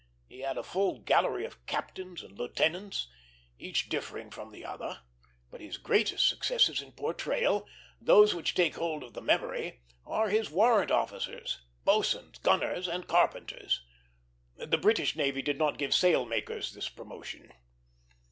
He has a full gallery of captains and lieutenants, each differing from the other; but his greatest successes in portrayal, those that take hold of the memory, are his warrant officers boatswains, gunners, and carpenters. The British navy did not give sailmakers this promotion.